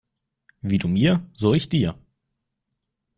Wie du mir so ich dir.